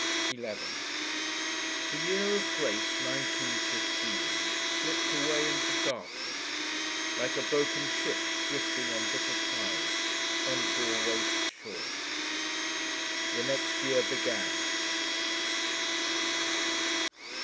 11 The year of grace 1915 slipped away into darkness, like a broken ship drifting on bitter tides on to a waste shore. The next year began.